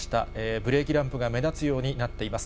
ブレーキランプが目立つようになっています。